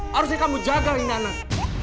harusnya kamu jagain anak